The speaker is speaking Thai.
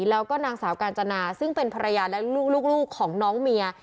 แล้วก็นางสาวกาญจนาซึ่งเป็นภรรยาและลูกของน้องเมีย